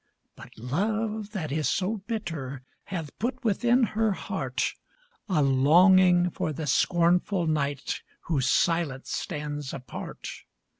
But Love that is so bitter Hath put within her heart A longing for the scornful knight Who silent stands apart.